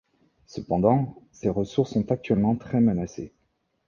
Cependant, ces ressources sont actuellement très menacées.